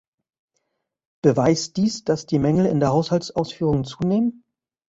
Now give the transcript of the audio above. Beweist dies, dass die Mängel in der Haushaltsausführung zunehmen?